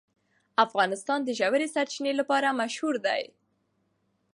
افغانستان د ژورې سرچینې لپاره مشهور دی.